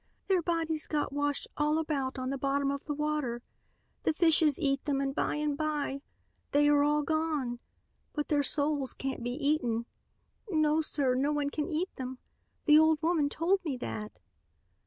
Their bodies get washed all about on the bottom of the water; the fishes eat them and by and by they are all gone. But their souls can't be eaten. No sir, no one can eat them. The old woman told me that."